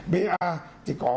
ba thì có